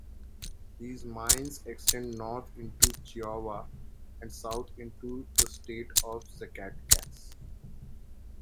These mines extend north into Chihuahua and south into the state of Zacatecas.